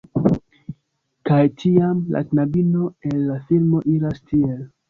Kaj tiam, la knabino el la filmo iras tiel: